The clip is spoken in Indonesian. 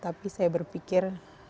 tapi saya berpikir kalau bukan saya ibunya